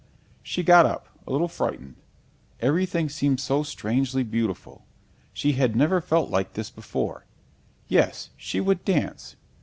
She got up, a little frightened. Everything seemed so strangely beautiful. She had never felt it like this before. Yes, she would dance.